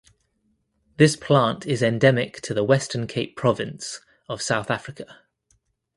This plant is endemic to the Western Cape province of South Africa.